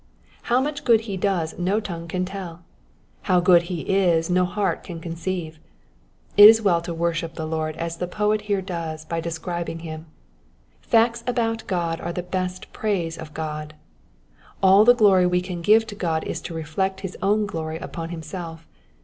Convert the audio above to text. How much good he does no tongue can tell ! How good he is no heart can conceive I It is well to worship the Lord as the poet here does by describing him. Facts about God are the best praise of God. All the glory we can give to God is to reflect his own glory upon himself.